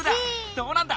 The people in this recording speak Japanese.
どうなんだ。